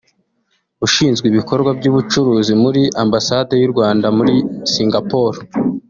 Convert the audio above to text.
Ushinzwe ibikorwa by’ubucuruzi muri Ambasade y’u Rwanda muri Singapore